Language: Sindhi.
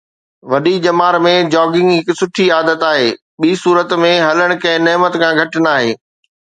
وڏي ڄمار ۾ جاگنگ هڪ سٺي عادت آهي ٻي صورت ۾ هلڻ ڪنهن نعمت کان گهٽ ناهي